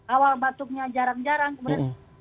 awal batuknya jarang jarang kemudian